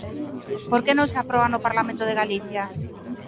¿Porque non se aproba no Parlamento de Galicia?